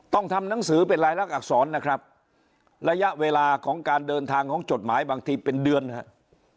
ทำหนังสือเป็นรายลักษรนะครับระยะเวลาของการเดินทางของจดหมายบางทีเป็นเดือนนะครับ